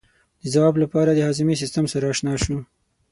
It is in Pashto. د ځواب لپاره د هاضمې سیستم سره آشنا شو.